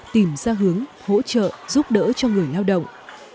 tìm ra hướng hỗ trợ giúp đỡ cho người lao động